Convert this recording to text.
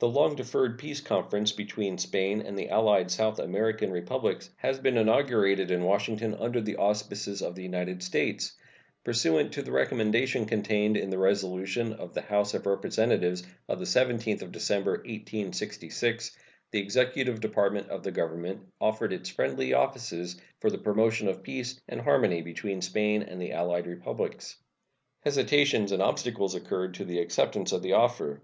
The long deferred peace conference between Spain and the allied South American Republics has been inaugurated in Washington under the auspices of the United States. Pursuant to the recommendation contained in the resolution of the House of Representatives of the 17th of December, 1866, the executive department of the Government offered its friendly offices for the promotion of peace and harmony between Spain and the allied Republics. Hesitations and obstacles occurred to the acceptance of the offer.